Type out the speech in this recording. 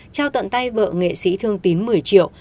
trao tận tay vợ nghệ sĩ thương tín một mươi triệu